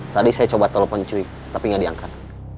tadi saya coba telepon ncuy tapi gak diangkat